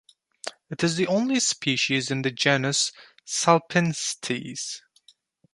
It is the only species in the genus "Salpinctes".